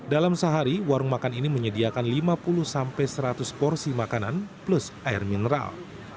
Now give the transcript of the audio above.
dalam sehari warung makan ini menyediakan lima puluh sampai seratus porsi makanan plus air mineral